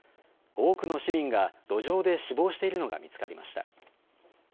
多くの市民が路上で死亡しているのが見つかりました。